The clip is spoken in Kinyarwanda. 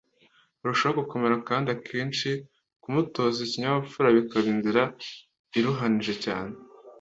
burushaho gukomera, kandi akenshi kumutoza ikinyabupfura bikaba inzira iruhanije cyane